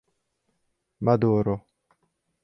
Maduro.